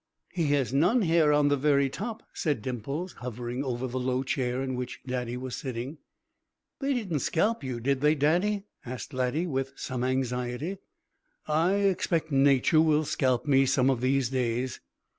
"He has none hair on the very top," said Dimples, hovering over the low chair in which Daddy was sitting. "They didn't scalp you, did they, Daddy?" asked Laddie, with some anxiety. "I expect Nature will scalp me some of these days."